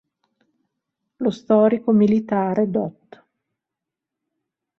Lo storico militare Dott.